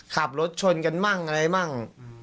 ขับรถชนกันมั่งอะไรมั่ง